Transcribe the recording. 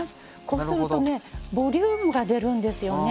こうするとボリュームが出るんですね。